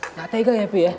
nggak tega ya epi ya